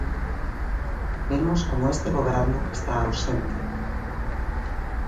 Vemos como este goberno está ausente.